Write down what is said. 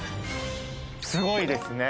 すごいですね。